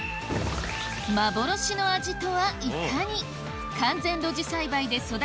幻の味とはいかに？